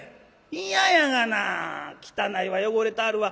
「嫌やがな。汚いわ汚れてはるわ。